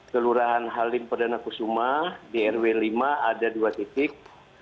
kelurahan halim perdana kusuma di rw lima ada dua titik